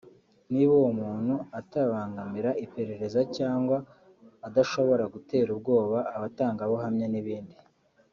niba uwo muntu atabangamira iperereza cyangwa adashobora gutera ubwoba abatangabuhamya n’ibindi